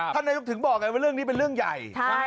นายกถึงบอกไงว่าเรื่องนี้เป็นเรื่องใหญ่